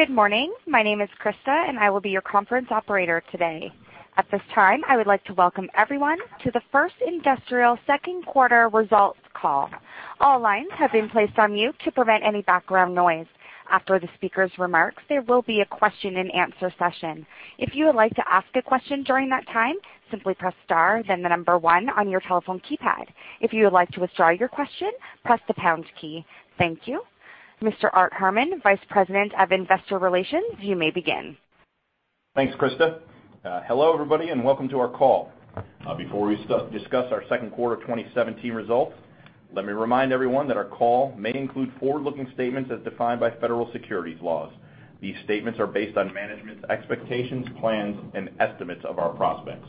Good morning. My name is Krista, and I will be your conference operator today. At this time, I would like to welcome everyone to the First Industrial second quarter results call. All lines have been placed on mute to prevent any background noise. After the speaker's remarks, there will be a question and answer session. If you would like to ask a question during that time, simply press star then the number one on your telephone keypad. If you would like to withdraw your question, press the pound key. Thank you. Mr. Art Harmon, Vice President of Investor Relations, you may begin. Thanks, Krista. Hello, everybody, welcome to our call. Before we discuss our second quarter 2017 results, let me remind everyone that our call may include forward-looking statements as defined by federal securities laws. These statements are based on management's expectations, plans, and estimates of our prospects.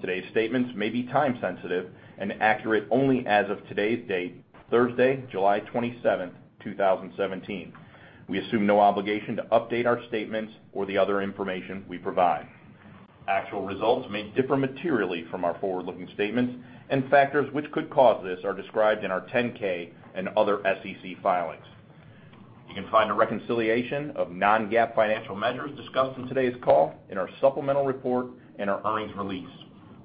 Today's statements may be time sensitive and accurate only as of today's date, Thursday, July 27th, 2017. We assume no obligation to update our statements or the other information we provide. Actual results may differ materially from our forward-looking statements, and factors which could cause this are described in our 10-K and other SEC filings. You can find a reconciliation of non-GAAP financial measures discussed in today's call in our supplemental report and our earnings release.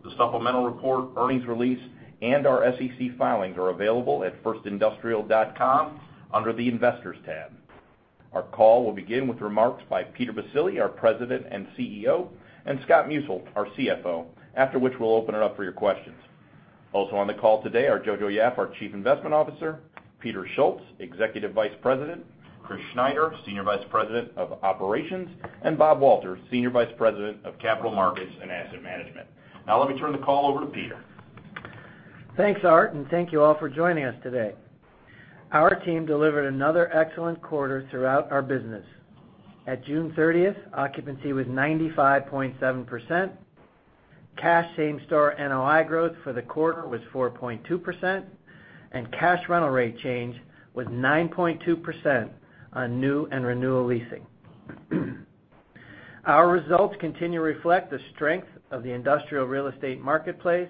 The supplemental report, earnings release, and our SEC filings are available at firstindustrial.com under the Investors tab. Our call will begin with remarks by Peter Baccile, our President and CEO, and Scott Musil, our CFO. After which, we'll open it up for your questions. Also on the call today are Johannson Yap, our Chief Investment Officer, Peter Schultz, Executive Vice President, Chris Schneider, Senior Vice President of Operations, and Robert Walter, Senior Vice President of Capital Markets and Asset Management. Let me turn the call over to Peter. Thanks, Art, thank you all for joining us today. Our team delivered another excellent quarter throughout our business. At June 30th, occupancy was 95.7%, cash same store NOI growth for the quarter was 4.2%, and cash rental rate change was 9.2% on new and renewal leasing. Our results continue to reflect the strength of the industrial real estate marketplace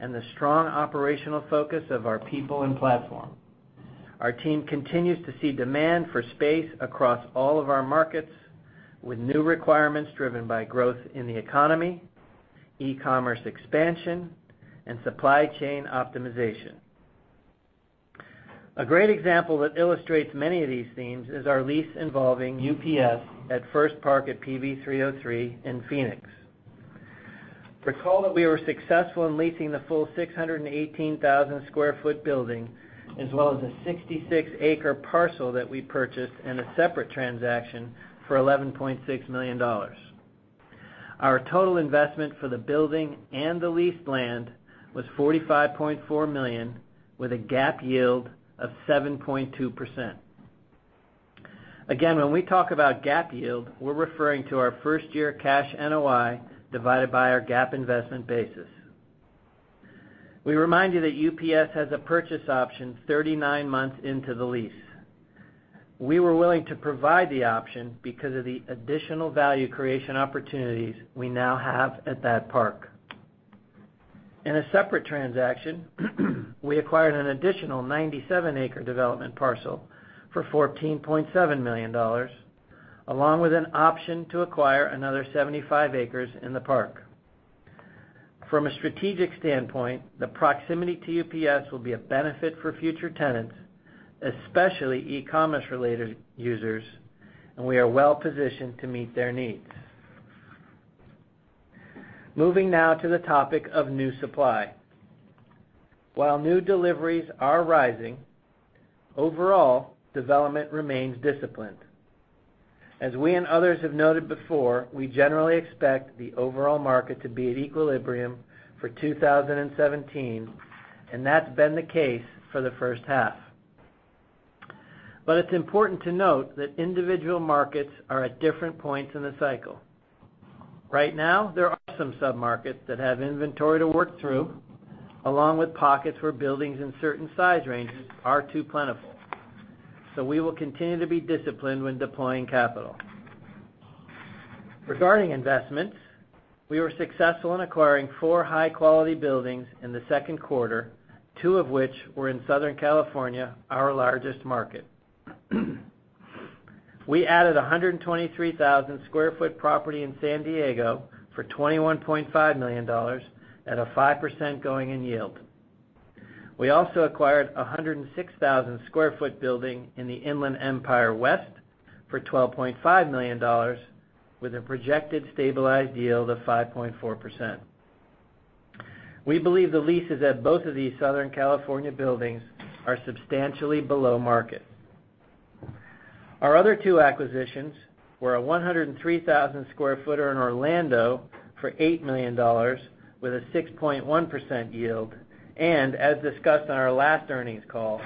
and the strong operational focus of our people and platform. Our team continues to see demand for space across all of our markets with new requirements driven by growth in the economy, e-commerce expansion, and supply chain optimization. A great example that illustrates many of these themes is our lease involving UPS at First Park at PV 303 in Phoenix. Recall that we were successful in leasing the full 618,000 sq ft building as well as a 66 acre parcel that we purchased in a separate transaction for $11.6 million. Our total investment for the building and the leased land was $45.4 million, with a GAAP yield of 7.2%. When we talk about GAAP yield, we're referring to our first-year cash NOI divided by our GAAP investment basis. We remind you that UPS has a purchase option 39 months into the lease. We were willing to provide the option because of the additional value creation opportunities we now have at that park. In a separate transaction, we acquired an additional 97 acre development parcel for $14.7 million, along with an option to acquire another 75 acres in the park. From a strategic standpoint, the proximity to UPS will be a benefit for future tenants, especially e-commerce related users. We are well-positioned to meet their needs. Moving now to the topic of new supply. While new deliveries are rising, overall, development remains disciplined. As we and others have noted before, we generally expect the overall market to be at equilibrium for 2017. That's been the case for the first half. It's important to note that individual markets are at different points in the cycle. Right now, there are some sub-markets that have inventory to work through, along with pockets where buildings in certain size ranges are too plentiful. We will continue to be disciplined when deploying capital. Regarding investments, we were successful in acquiring 4 high-quality buildings in the second quarter, 2 of which were in Southern California, our largest market. We added a 123,000 sq ft property in San Diego for $21.5 million at a 5% going-in yield. We also acquired a 106,000 sq ft building in the Inland Empire West for $12.5 million with a projected stabilized yield of 5.4%. We believe the leases at both of these Southern California buildings are substantially below market. Our other 2 acquisitions were a 103,000 sq ft in Orlando for $8 million with a 6.1% yield. As discussed on our last earnings call,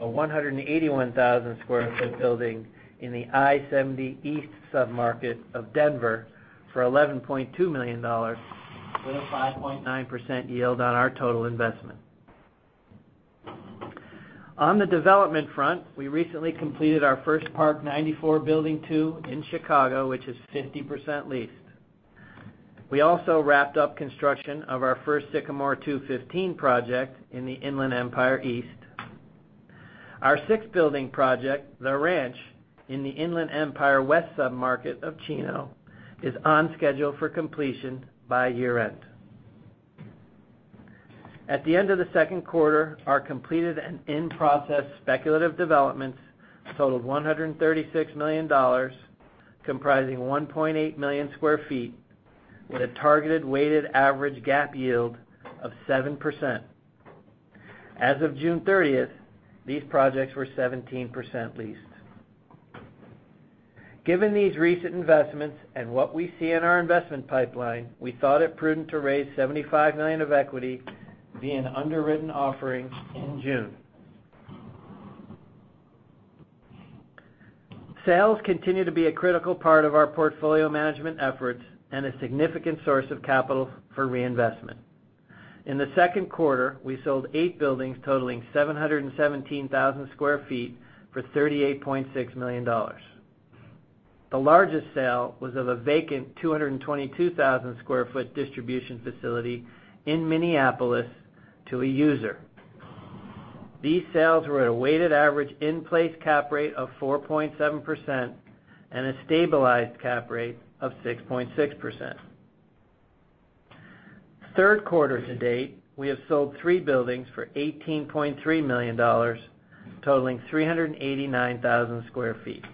a 181,000 sq ft building in the I-70 East submarket of Denver for $11.2 million with a 5.9% yield on our total investment. On the development front, we recently completed our First Park 94 Building II in Chicago, which is 50% leased. We also wrapped up construction of our First Sycamore 215 project in the Inland Empire East. Our 6th building project, The Ranch, in the Inland Empire West submarket of Chino, is on schedule for completion by year-end. At the end of the second quarter, our completed and in-process speculative developments totaled $136 million, comprising 1.8 million sq ft, with a targeted weighted average GAAP yield of 7%. As of June 30th, these projects were 17% leased. Given these recent investments and what we see in our investment pipeline, we thought it prudent to raise $75 million of equity via an underwritten offering in June. Sales continue to be a critical part of our portfolio management efforts. A significant source of capital for reinvestment. In the second quarter, we sold eight buildings totaling 717,000 square feet for $38.6 million. The largest sale was of a vacant 222,000 square foot distribution facility in Minneapolis to a user. These sales were at a weighted average in-place cap rate of 4.7% and a stabilized cap rate of 6.6%. Third quarter to date, we have sold three buildings for $18.3 million, totaling 389,000 square feet.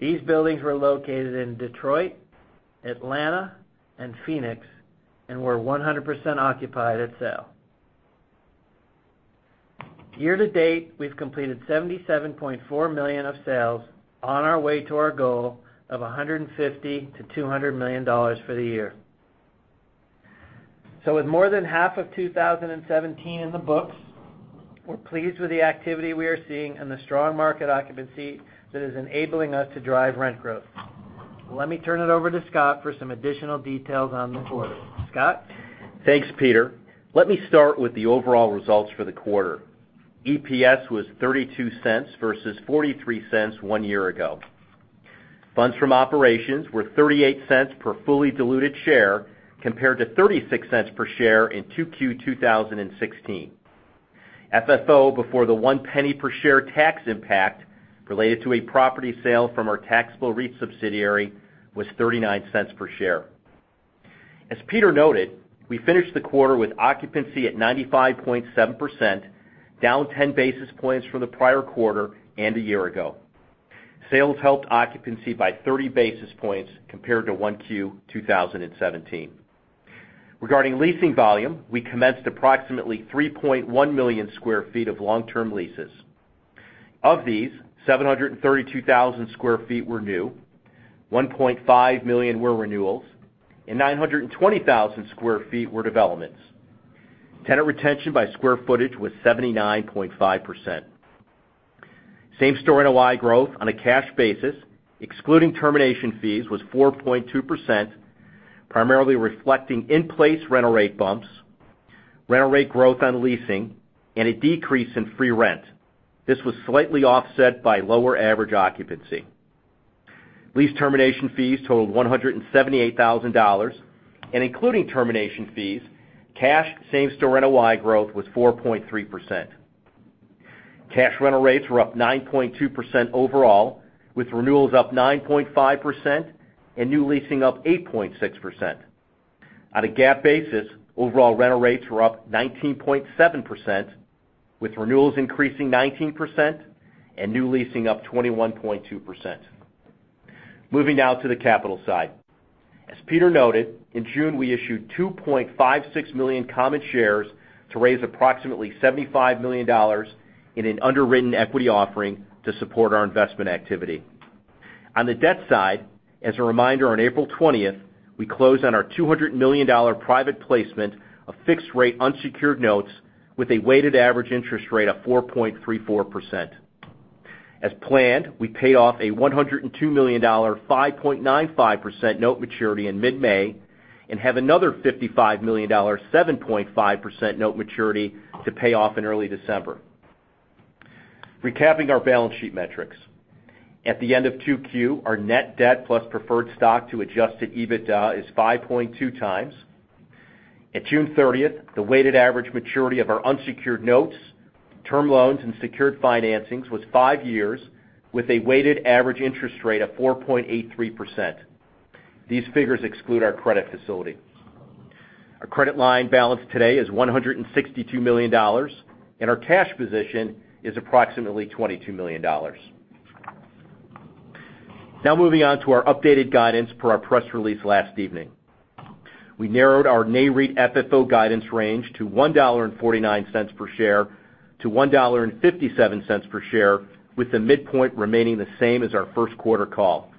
These buildings were located in Detroit, Atlanta, and Phoenix and were 100% occupied at sale. Year to date, we've completed $77.4 million of sales on our way to our goal of $150 million-$200 million for the year. With more than half of 2017 in the books, we're pleased with the activity we are seeing and the strong market occupancy that is enabling us to drive rent growth. Let me turn it over to Scott for some additional details on the quarter. Scott? Thanks, Peter. Let me start with the overall results for the quarter. EPS was $0.32 versus $0.43 one year ago. Funds from operations were $0.38 per fully diluted share, compared to $0.36 per share in 2Q 2016. FFO before the $0.01 per share tax impact related to a property sale from our taxable REIT subsidiary was $0.39 per share. As Peter noted, we finished the quarter with occupancy at 95.7%, down 10 basis points from the prior quarter and a year ago. Sales helped occupancy by 30 basis points compared to 1Q 2017. Regarding leasing volume, we commenced approximately 3.1 million square feet of long-term leases. Of these, 732,000 square feet were new, 1.5 million were renewals, and 920,000 square feet were developments. Tenant retention by square footage was 79.5%. Same-store NOI growth on a cash basis, excluding termination fees, was 4.2%, primarily reflecting in-place rental rate bumps, rental rate growth on leasing, and a decrease in free rent. This was slightly offset by lower average occupancy. Lease termination fees totaled $178,000. Including termination fees, cash same-store NOI growth was 4.3%. Cash rental rates were up 9.2% overall, with renewals up 9.5% and new leasing up 8.6%. On a GAAP basis, overall rental rates were up 19.7%, with renewals increasing 19% and new leasing up 21.2%. Moving now to the capital side. As Peter noted, in June we issued 2.56 million common shares to raise approximately $75 million in an underwritten equity offering to support our investment activity. On the debt side, as a reminder, on April 20th, we closed on our $200 million private placement of fixed-rate unsecured notes with a weighted average interest rate of 4.34%. As planned, we paid off a $102 million 5.95% note maturity in mid-May and have another $55 million 7.5% note maturity to pay off in early December. Recapping our balance sheet metrics. At the end of 2Q, our net debt plus preferred stock to adjusted EBITDA is 5.2 times. At June 30th, the weighted average maturity of our unsecured notes, term loans, and secured financings was five years, with a weighted average interest rate of 4.83%. These figures exclude our credit facility. Our credit line balance today is $162 million, and our cash position is approximately $22 million. Moving on to our updated guidance per our press release last evening. We narrowed our NAREIT FFO guidance range to $1.49 per share-$1.57 per share, with the midpoint remaining the same as our first quarter call.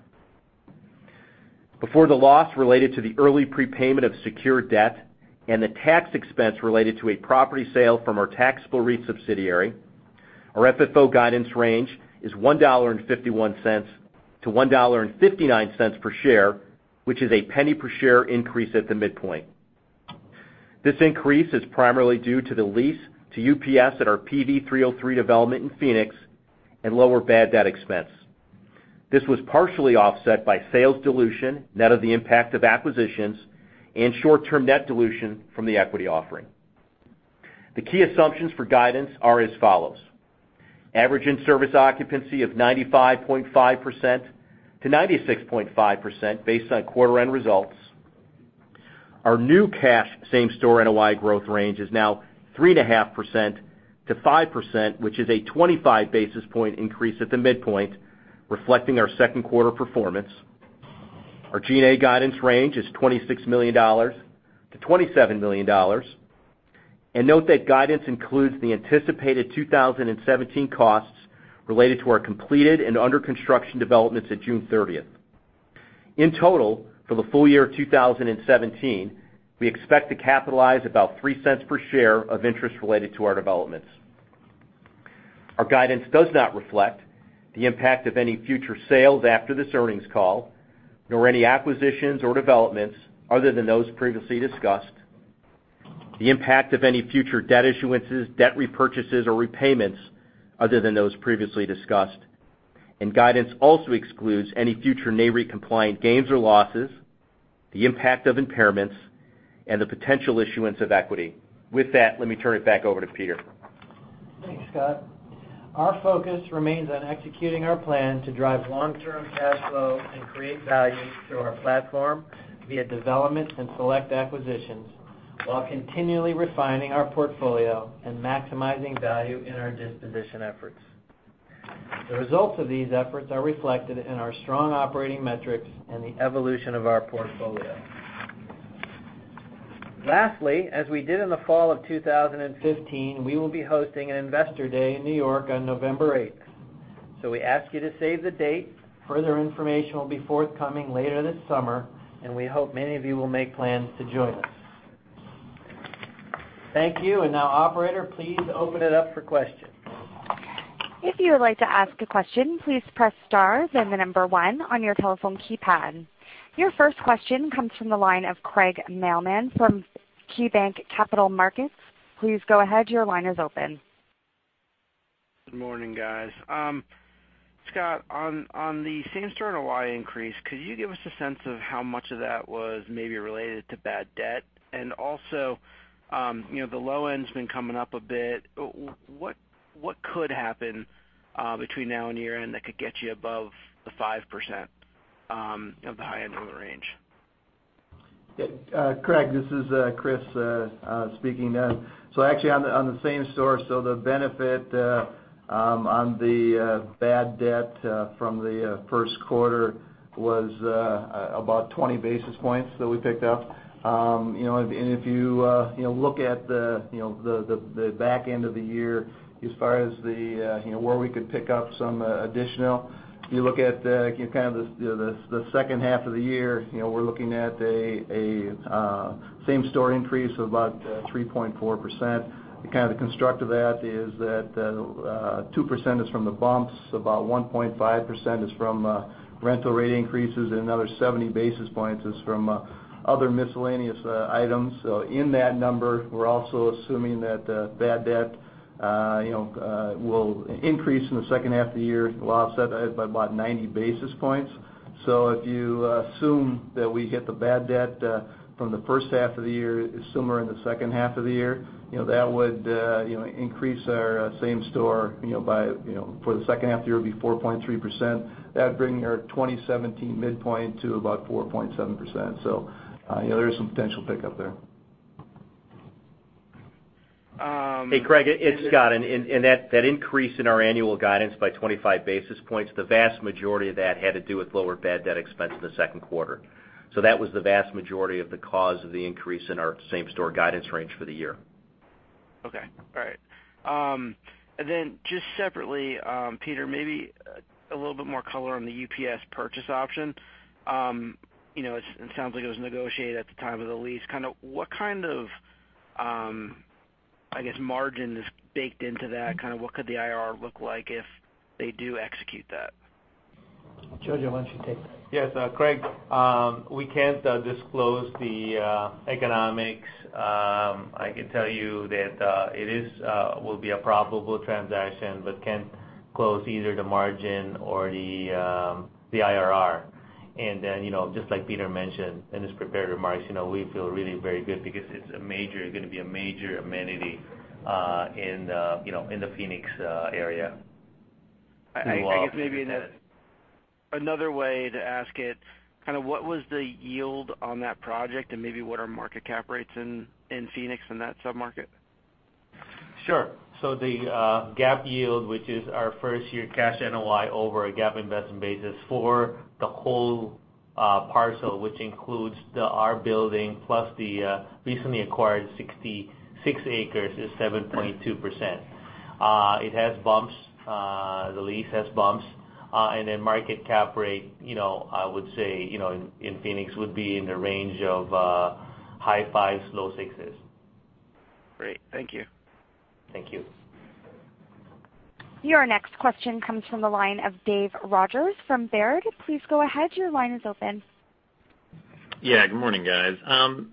Before the loss related to the early prepayment of secured debt and the tax expense related to a property sale from our taxable REIT subsidiary, our FFO guidance range is $1.51 to $1.59 per share, which is a penny per share increase at the midpoint. This increase is primarily due to the lease to UPS at our PV 303 development in Phoenix and lower bad debt expense. This was partially offset by sales dilution, net of the impact of acquisitions, and short-term debt dilution from the equity offering. The key assumptions for guidance are as follows: average in-service occupancy of 95.5%-96.5% based on quarter-end results. Our new cash same-store NOI growth range is now 3.5%-5%, which is a 25-basis point increase at the midpoint, reflecting our second quarter performance. Our G&A guidance range is $26 million-$27 million. Note that guidance includes the anticipated 2017 costs related to our completed and under-construction developments at June 30th. In total, for the full year of 2017, we expect to capitalize about $0.03 per share of interest related to our developments. Our guidance does not reflect the impact of any future sales after this earnings call, nor any acquisitions or developments other than those previously discussed, the impact of any future debt issuances, debt repurchases, or repayments other than those previously discussed. Guidance also excludes any future NAREIT-compliant gains or losses, the impact of impairments, and the potential issuance of equity. With that, let me turn it back over to Peter. Thanks, Scott. Our focus remains on executing our plan to drive long-term cash flow and create value through our platform via development and select acquisitions, while continually refining our portfolio and maximizing value in our disposition efforts. The results of these efforts are reflected in our strong operating metrics and the evolution of our portfolio. Lastly, as we did in the fall of 2015, we will be hosting an investor day in New York on November 8th. We ask you to save the date. Further information will be forthcoming later this summer, and we hope many of you will make plans to join us. Thank you. Now, operator, please open it up for questions. If you would like to ask a question, please press star and the number one on your telephone keypad. Your first question comes from the line of Craig Mailman from KeyBanc Capital Markets. Please go ahead. Your line is open. Good morning, guys. Scott, on the same-store NOI increase, could you give us a sense of how much of that was maybe related to bad debt? Also, the low end's been coming up a bit. What could happen between now and year-end that could get you above the 5% of the high end of the range? Craig, this is Chris speaking now. Actually on the same store, the benefit on the bad debt from the first quarter was about 20 basis points that we picked up. If you look at the back end of the year as far as where we could pick up some additional, you look at kind of the second half of the year, we're looking at a same-store increase of about 3.4%. Kind of the construct of that is that 2% is from the bumps, about 1.5% is from rental rate increases, and another 70 basis points is from other miscellaneous items. In that number, we're also assuming that bad debt will increase in the second half of the year, offset by about 90 basis points. If you assume that we get the bad debt from the first half of the year similar in the second half of the year, that would increase our same store for the second half of the year would be 4.3%. That'd bring our 2017 midpoint to about 4.7%. There is some potential pickup there. Hey, Craig. It's Scott, that increase in our annual guidance by 25 basis points, the vast majority of that had to do with lower bad debt expense in the second quarter. That was the vast majority of the cause of the increase in our same-store guidance range for the year. Okay. All right. Just separately, Peter, maybe a little bit more color on the UPS purchase option. It sounds like it was negotiated at the time of the lease. What kind of, I guess, margin is baked into that? Kind of what could the IRR look like if they do execute that? Jojo, why don't you take that? Yes. Craig, we can't disclose the economics. I can tell you that it will be a profitable transaction, but can't disclose either the margin or the IRR. Just like Peter mentioned in his prepared remarks, we feel really very good because it's going to be a major amenity in the Phoenix area. I guess maybe another way to ask it, kind of what was the yield on that project and maybe what are market cap rates in Phoenix in that sub-market? The GAAP yield, which is our first-year cash NOI over a GAAP investment basis for the whole parcel, which includes our building plus the recently acquired 66 acres, is 7.2%. It has bumps. The lease has bumps. Market cap rate, I would say, in Phoenix would be in the range of high fives, low sixes. Great. Thank you. Thank you. Your next question comes from the line of Dave Rodgers from Baird. Please go ahead. Your line is open. Yeah. Good morning, guys.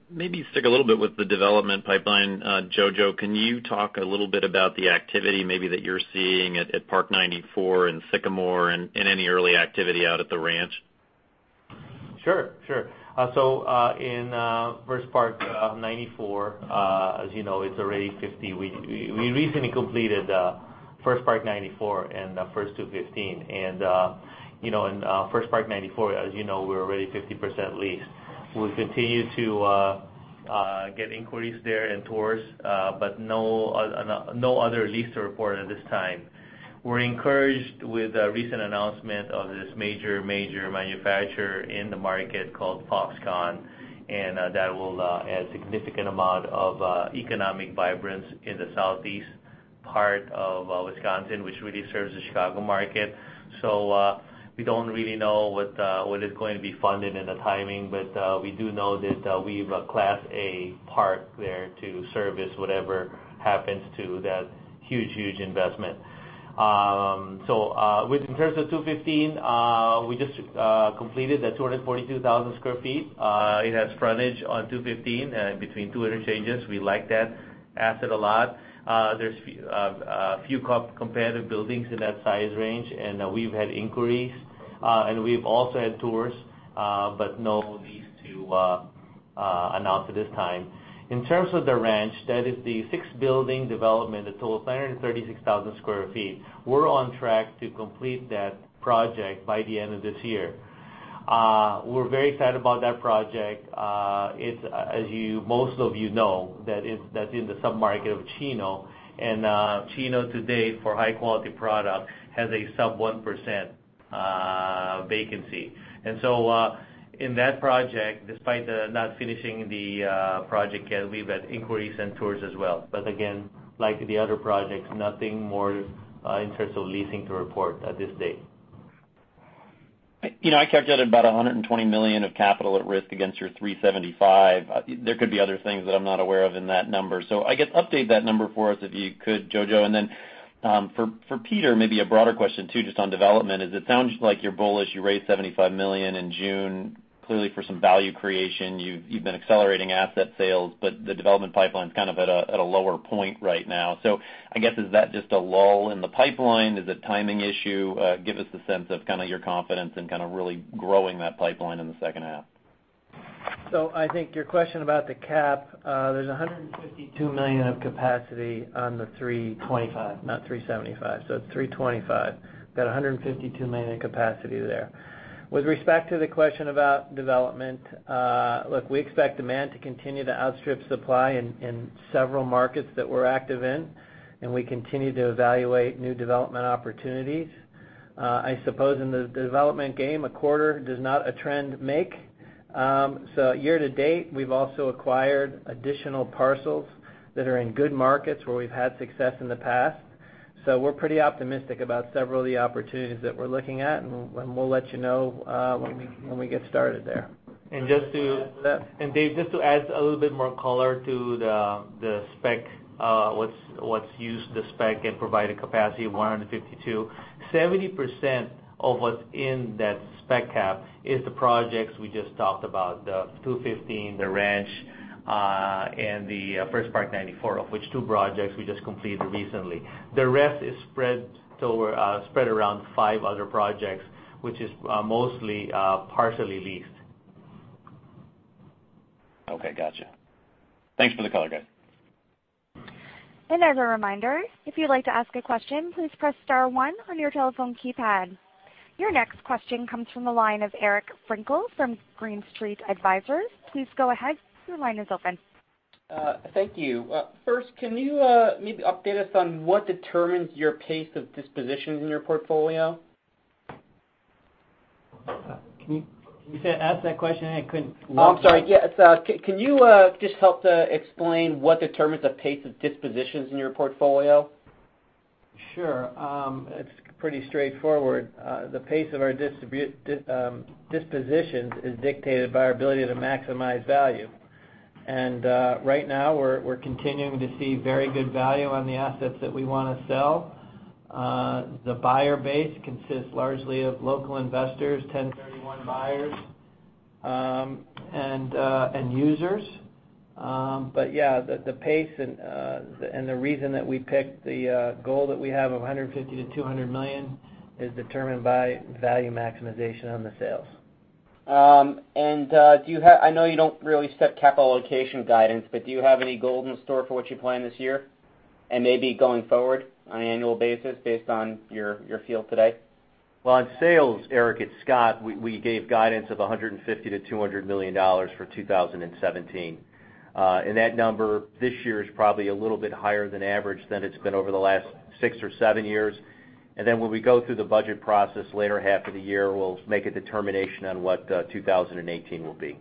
Maybe stick a little bit with the development pipeline. Jojo, can you talk a little bit about the activity maybe that you're seeing at Park 94 and Sycamore and any early activity out at The Ranch? Sure. We recently completed First Park 94 and First 215. In First Park 94, as you know, we're already 50% leased. We continue to get inquiries there and tours, but no other lease to report at this time. We're encouraged with the recent announcement of this major manufacturer in the market called Foxconn, and that will add significant amount of economic vibrance in the southeast part of Wisconsin, which really serves the Chicago market. We don't really know what is going to be funded and the timing, but we do know that we've a Class A park there to service whatever happens to that huge investment. With in terms of 215, we just completed the 242,000 sq ft. It has frontage on 215 and between two interchanges. We like that asset a lot. There's few competitive buildings in that size range, and we've had inquiries, and we've also had tours, but no lease to announce at this time. In terms of The Ranch, that is the six-building development, a total of 336,000 sq ft. We're on track to complete that project by the end of this year. We're very excited about that project. As most of you know, that's in the sub-market of Chino, and Chino today, for high-quality product, has a sub 1% vacancy. In that project, despite not finishing the project yet, we've had inquiries and tours as well. Again, like the other projects, nothing more in terms of leasing to report at this date. I captured about $120 million of capital at risk against your $375. There could be other things that I'm not aware of in that number. I guess, update that number for us if you could, Jojo. For Peter, maybe a broader question too, just on development, is it sounds like you're bullish. You raised $75 million in June, clearly for some value creation. You've been accelerating asset sales, but the development pipeline's kind of at a lower point right now. I guess, is that just a lull in the pipeline? Is it timing issue? Give us the sense of kind of your confidence and kind of really growing that pipeline in the second half. I think your question about the cap, there is $152 million of capacity on the 325, not 375. It is 325. We have $152 million in capacity there. With respect to the question about development, look, we expect demand to continue to outstrip supply in several markets that we are active in, and we continue to evaluate new development opportunities. I suppose in the development game, a quarter does not a trend make. Year-to-date, we have also acquired additional parcels that are in good markets where we have had success in the past. We are pretty optimistic about several of the opportunities that we are looking at, and we will let you know when we get started there. Dave, just to add a little bit more color to the spec, what's used the spec and provide a capacity of $152 million, 70% of what's in that spec cap is the projects we just talked about, the 215, The Ranch, and the First Park 94, of which two projects we just completed recently. The rest is spread around five other projects, which is mostly partially leased. Okay, got you. Thanks for the color, guys. As a reminder, if you'd like to ask a question, please press star one on your telephone keypad. Your next question comes from the line of Eric Frankel from Green Street Advisors. Please go ahead. Your line is open. Thank you. Can you maybe update us on what determines your pace of dispositions in your portfolio? Can you ask that question again? I couldn't- I'm sorry. Yeah. Can you just help to explain what determines the pace of dispositions in your portfolio? Sure. It's pretty straightforward. The pace of our dispositions is dictated by our ability to maximize value. Right now we're continuing to see very good value on the assets that we want to sell. The buyer base consists largely of local investors, 1031 buyers, and users. Yeah, the pace and the reason that we picked the goal that we have of $150 million-$200 million is determined by value maximization on the sales. I know you don't really set capital allocation guidance, but do you have any goal in store for what you plan this year, and maybe going forward on an annual basis based on your feel today? Well, on sales, Eric, it's Scott. We gave guidance of $150 million-$200 million for 2017. That number this year is probably a little bit higher than average than it's been over the last six or seven years. When we go through the budget process later half of the year, we'll make a determination on what 2018 will be.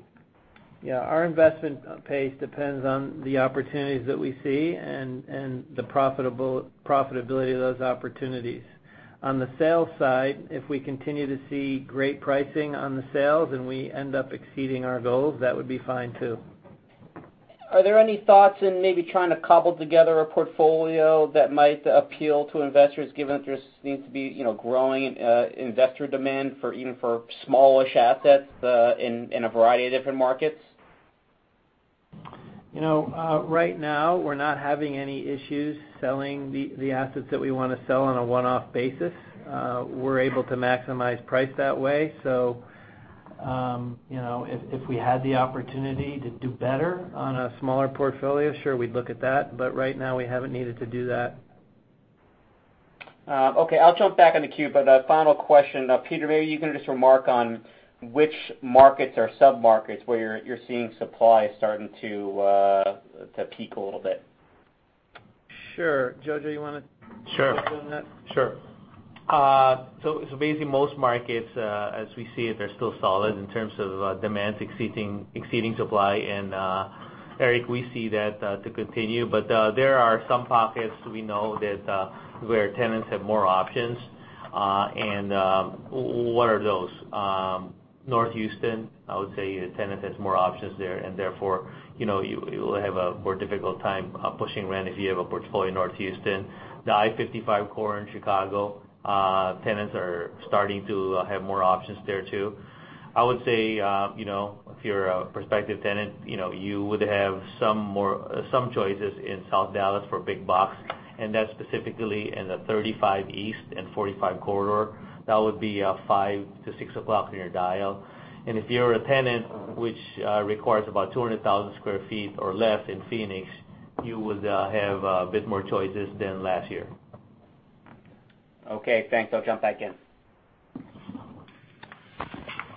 Yeah. Our investment pace depends on the opportunities that we see and the profitability of those opportunities. On the sales side, if we continue to see great pricing on the sales and we end up exceeding our goals, that would be fine, too. Are there any thoughts in maybe trying to cobble together a portfolio that might appeal to investors, given that there seems to be growing investor demand even for smallish assets in a variety of different markets? Right now, we're not having any issues selling the assets that we want to sell on a one-off basis. We're able to maximize price that way. If we had the opportunity to do better on a smaller portfolio, sure, we'd look at that. Right now, we haven't needed to do that. Okay. I'll jump back in the queue, but a final question. Peter, maybe you can just remark on which markets or sub-markets where you're seeing supply starting to peak a little bit. Sure. Jojo, you want to- Sure take on that? Sure. Basically, most markets, as we see it, they're still solid in terms of demand exceeding supply. Eric, we see that to continue. There are some pockets we know where tenants have more options. What are those? North Houston, I would say a tenant has more options there, and therefore, you will have a more difficult time pushing rent if you have a portfolio in North Houston. The I-55 corridor in Chicago, tenants are starting to have more options there, too. I would say, if you're a prospective tenant, you would have some choices in South Dallas for big box, and that's specifically in the 35 East and 45 corridor. That would be 5:00 to 6:00 o'clock in your dial. If you're a tenant which requires about 200,000 sq ft or less in Phoenix, you would have a bit more choices than last year. Okay, thanks. I'll jump back in.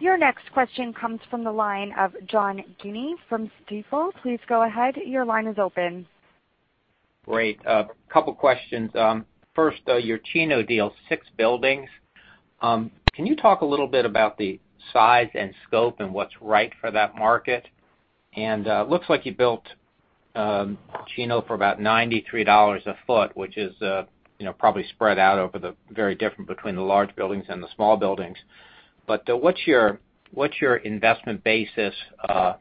Your next question comes from the line of John Guinee from Stifel. Please go ahead. Your line is open. Great. Couple of questions. First, your Chino deal, six buildings. Can you talk a little bit about the size and scope and what's right for that market? Looks like you built Chino for about $93 a foot, which is probably spread out over the very different between the large buildings and the small buildings. What's your investment basis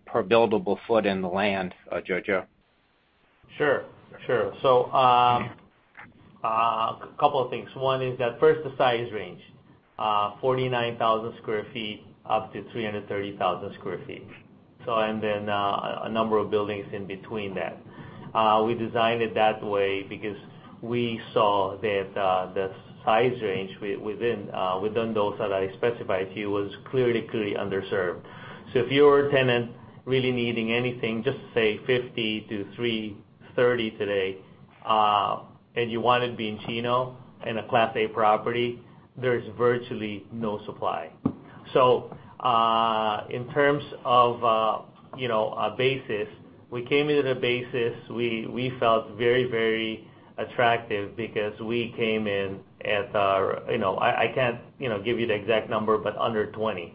per buildable foot in the land, Jojo? Sure. Couple of things. One is that first, the size range, 49,000 sq ft up to 330,000 sq ft. A number of buildings in between that. We designed it that way because we saw that the size range within those that I specified to you was clearly underserved. If you're a tenant really needing anything, just say 50 to 330 today, and you wanted to be in Chino in a Class A property, there's virtually no supply. In terms of a basis, we came into the basis we felt very attractive because we came in, I can't give you the exact number, but under $20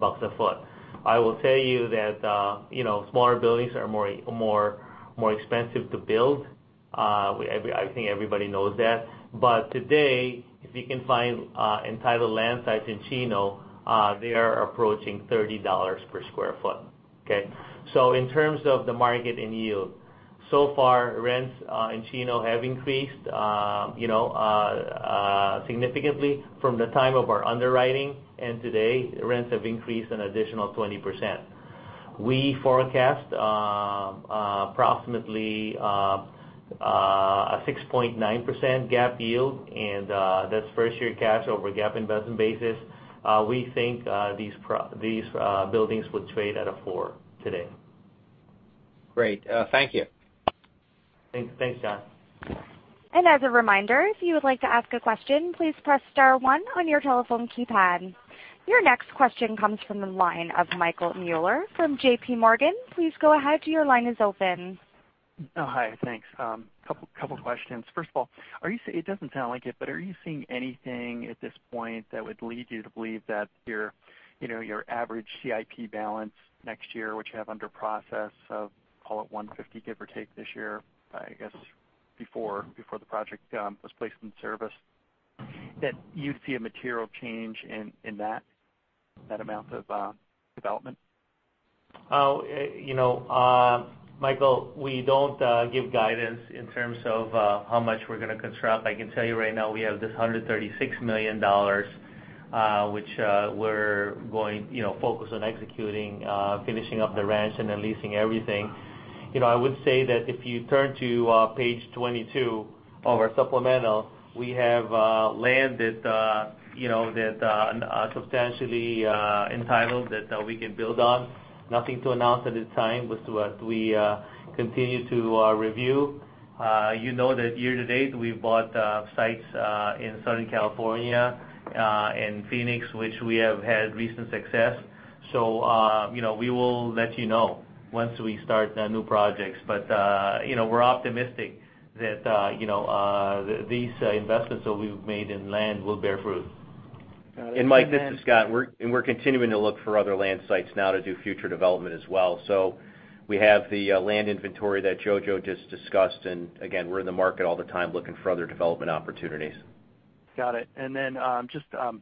a foot. I will tell you that smaller buildings are more expensive to build. I think everybody knows that. Today, if you can find entitled land sites in Chino, they are approaching $30 per sq ft. Okay? In terms of the market and yield, so far, rents in Chino have increased significantly from the time of our underwriting and today, rents have increased an additional 20%. We forecast approximately a 6.9% GAAP yield, and that's first-year cash over GAAP investment basis. We think these buildings would trade at a four today. Great. Thank you. Thanks, John. As a reminder, if you would like to ask a question, please press star one on your telephone keypad. Your next question comes from the line of Michael Mueller from J.P. Morgan. Please go ahead. Your line is open. Hi. Couple questions. First of all, it doesn't sound like it, but are you seeing anything at this point that would lead you to believe that your average CIP balance next year, which you have under process of, call it $150, give or take this year, I guess before the project was placed in service, that you'd see a material change in that amount of development? Michael, we don't give guidance in terms of how much we're going to construct. I can tell you right now we have this $136 million, which we're focused on executing, finishing up the rents, and then leasing everything. I would say that if you turn to page 22 of our supplemental, we have land that substantially entitled that we can build on. Nothing to announce at this time, we continue to review. You know that year to date, we've bought sites in Southern California and Phoenix, which we have had recent success. We will let you know once we start the new projects. We're optimistic that these investments that we've made in land will bear fruit. Mike, this is Scott. We're continuing to look for other land sites now to do future development as well. We have the land inventory that Jojo just discussed, and again, we're in the market all the time looking for other development opportunities. Got it. Just I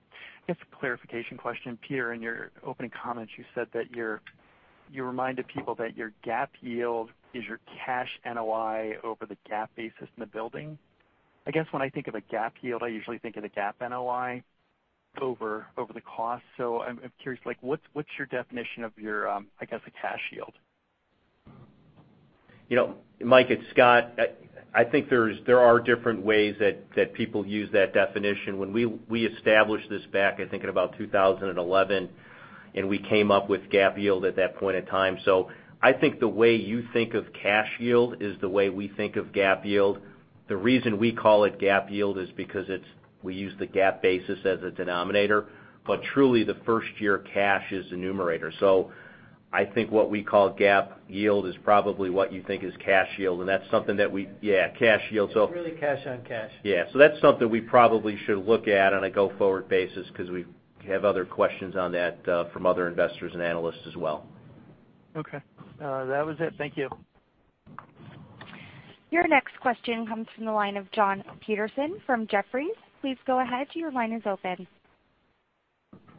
guess a clarification question. Peter, in your opening comments, you said that you reminded people that your GAAP yield is your cash NOI over the GAAP basis in the building. I guess when I think of a GAAP yield, I usually think of the GAAP NOI over the cost. I'm curious, what's your definition of your, I guess, a cash yield? Mike, it's Scott. I think there are different ways that people use that definition. When we established this back, I think in about 2011, we came up with GAAP yield at that point in time. I think the way you think of cash yield is the way we think of GAAP yield. The reason we call it GAAP yield is because we use the GAAP basis as a denominator. Truly, the first-year cash is the numerator. I think what we call GAAP yield is probably what you think is cash yield, and that's something that we Yeah, cash yield. It's really cash on cash. Yeah. That's something we probably should look at on a go-forward basis because we have other questions on that from other investors and analysts as well. Okay. That was it. Thank you. Your next question comes from the line of Jon Peterson from Jefferies. Please go ahead. Your line is open.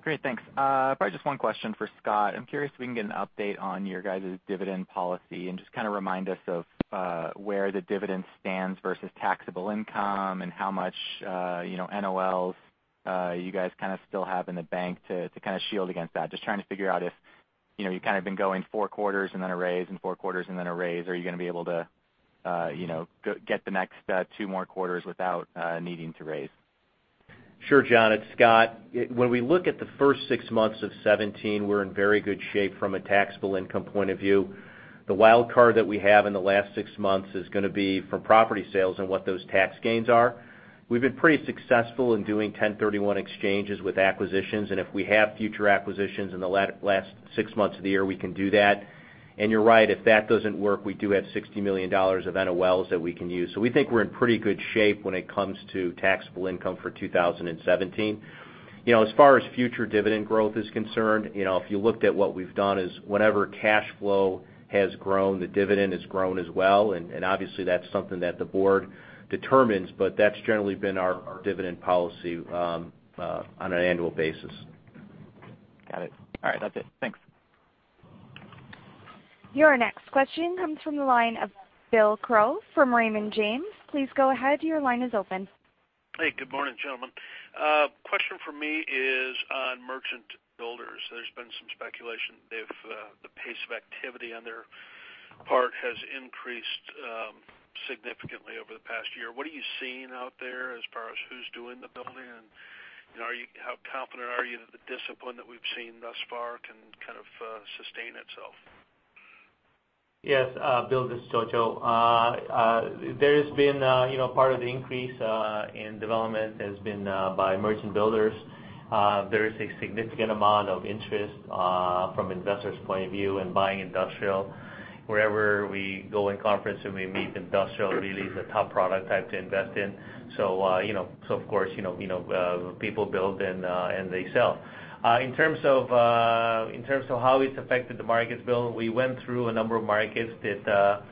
Great, thanks. Probably just one question for Scott. I'm curious if we can get an update on your guys' dividend policy and just kind of remind us of where the dividend stands versus taxable income and how much NOLs you guys kind of still have in the bank to kind of shield against that. Just trying to figure out if you kind of been going four quarters and then a raise, and four quarters and then a raise. Are you going to be able to get the next two more quarters without needing to raise? Sure, Jon, it's Scott. When we look at the first six months of 2017, we're in very good shape from a taxable income point of view. The wild card that we have in the last six months is going to be from property sales and what those tax gains are. We've been pretty successful in doing 1031 exchanges with acquisitions, and if we have future acquisitions in the last six months of the year, we can do that. You're right, if that doesn't work, we do have $60 million of NOLs that we can use. We think we're in pretty good shape when it comes to taxable income for 2017. As far as future dividend growth is concerned, if you looked at what we've done is whenever cash flow has grown, the dividend has grown as well. obviously, that's something that the board determines, but that's generally been our dividend policy on an annual basis. Got it. All right, that's it. Thanks. Your next question comes from the line of William Crow from Raymond James. Please go ahead. Your line is open. Hey, good morning, gentlemen. A question from me is on merchant builders. There's been some speculation if the pace of activity on their part has increased significantly over the past year. What are you seeing out there as far as who's doing the building? How confident are you that the discipline that we've seen thus far can kind of sustain itself? Yes. Bill, this is Jojo. Part of the increase in development has been by merchant builders. There is a significant amount of interest from investors' point of view in buying industrial. Wherever we go in conference, and we meet, industrial really is a top product type to invest in. Of course, people build, and they sell. In terms of how it's affected the markets, Bill, we went through a number of markets that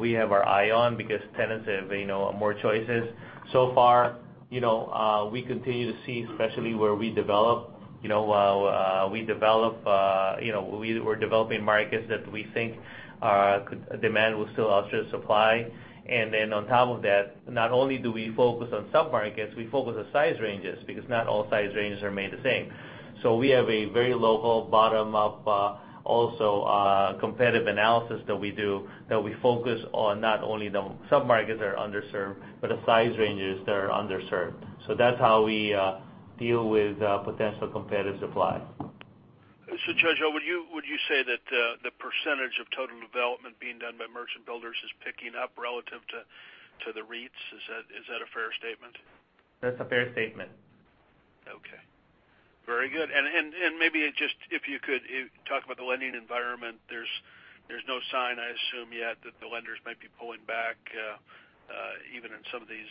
we have our eye on because tenants have more choices. Far, we continue to see, especially where we develop, we're developing markets that we think demand will still outstrip supply. On top of that, not only do we focus on sub-markets, we focus on size ranges because not all size ranges are made the same. We have a very local bottom-up, also competitive analysis that we do, that we focus on not only the sub-markets that are underserved, but the size ranges that are underserved. That's how we deal with potential competitive supply. Jojo, would you say that the percentage of total development being done by merchant builders is picking up relative to the REITs? Is that a fair statement? That's a fair statement. Okay. Very good. Maybe just if you could talk about the lending environment. There's no sign, I assume, yet that the lenders might be pulling back even in some of these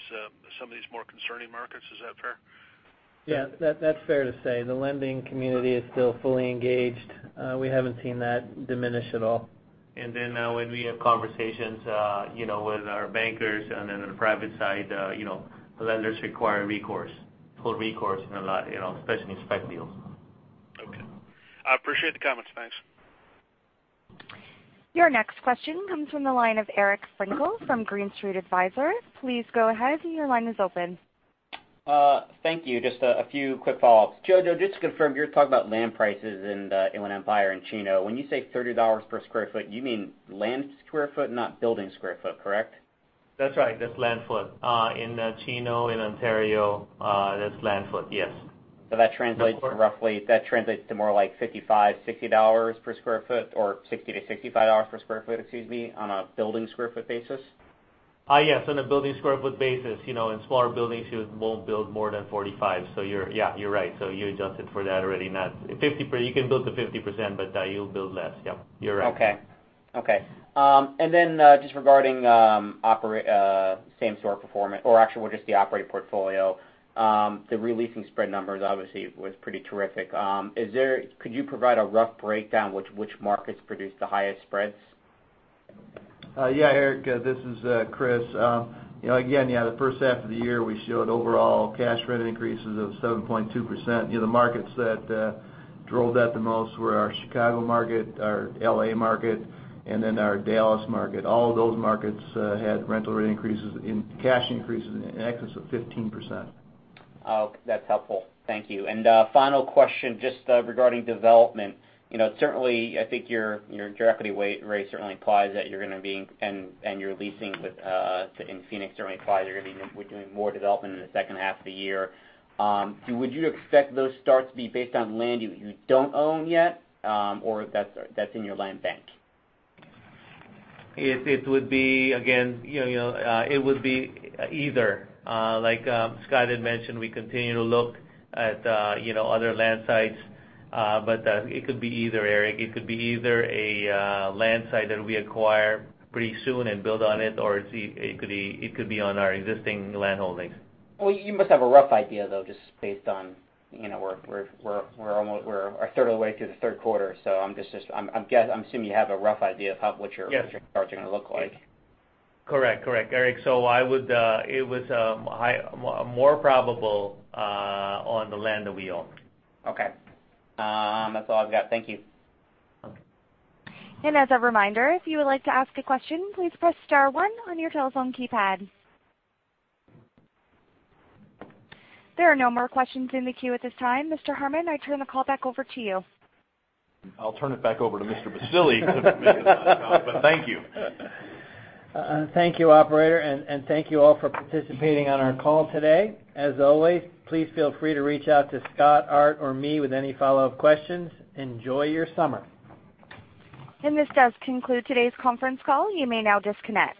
more concerning markets. Is that fair? Yeah. That's fair to say. The lending community is still fully engaged. We haven't seen that diminish at all. When we have conversations with our bankers and then on the private side, the lenders require recourse, full recourse, especially in spec deals. Okay. I appreciate the comments. Thanks. Your next question comes from the line of Eric Frankel from Green Street Advisors. Please go ahead. Your line is open. Thank you. Just a few quick follow-ups. Jojo, just to confirm, you are talking about land prices in the Inland Empire in Chino. When you say $30 per square foot, you mean land square foot, not building square foot, correct? That's right. That's land foot. In Chino, in Ontario, that's land foot. Yes. That translates to more like $55, $60 per square foot or $60-$65 per square foot, excuse me, on a building square foot basis? Yes, on a building sq ft basis. In smaller buildings, you won't build more than [45]. Yeah, you're right. You adjusted for that already. You can build to 50%, but you'll build less. Yep, you're right. Okay. Just regarding same store performance, or actually, well, just the operating portfolio. The re-leasing spread numbers obviously was pretty terrific. Could you provide a rough breakdown which markets produced the highest spreads? Yeah, Eric, this is Chris. Again, the first half of the year we showed overall cash rent increases of 7.2%. The markets that drove that the most were our Chicago market, our L.A. market, and then our Dallas market. All of those markets had rental rate increases in cash increases in excess of 15%. Oh, that's helpful. Thank you. Final question, just regarding development. Certainly, I think your equity raise. You're leasing with, in Phoenix certainly implies you're going to be doing more development in the second half of the year. Would you expect those starts to be based on land you don't own yet, or that's in your land bank? It would be either. Like Scott had mentioned, we continue to look at other land sites. It could be either, Eric. It could be either a land site that we acquire pretty soon and build on it, or it could be on our existing land holdings. You must have a rough idea, though, just based on we're a third of the way through the third quarter. I'm assuming you have a rough idea of how- Yes what your starts are going to look like. Correct. Eric, it was more probable on the land that we own. Okay. That's all I've got. Thank you. Okay. As a reminder, if you would like to ask a question, please press star one on your telephone keypad. There are no more questions in the queue at this time. Mr. Harmon, I turn the call back over to you. I'll turn it back over to Mr. Baccile because it makes a lot of sense. Thank you. Thank you, operator, and thank you all for participating on our call today. As always, please feel free to reach out to Scott, Art, or me with any follow-up questions. Enjoy your summer. This does conclude today's conference call. You may now disconnect.